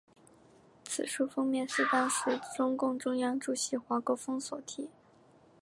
此书封面是当时中共中央主席华国锋所题。